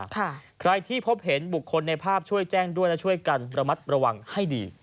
ใครที่พบเห็นบุคคลในภาพช่วยแจ้งด้วยและช่วยกันระมัดระวังให้ดี